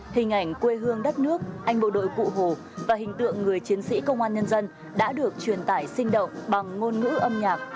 hình ảnh quê hương đất nước anh bộ đội cụ hồ và hình tượng người chiến sĩ công an nhân dân đã được truyền tải sinh động bằng ngôn ngữ âm nhạc